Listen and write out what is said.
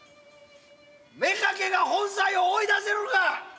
めかけが本妻を追い出せるか！